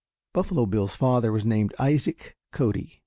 Buffalo Bill's father was named Isaac Cody.